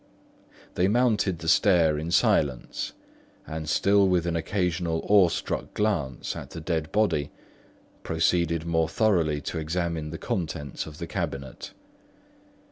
They mounted the stair in silence, and still with an occasional awestruck glance at the dead body, proceeded more thoroughly to examine the contents of the cabinet.